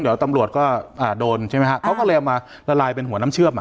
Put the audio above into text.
เดี๋ยวตำรวจก็โดนใช่ไหมฮะเขาก็เลยเอามาละลายเป็นหัวน้ำเชื่อมอ่ะ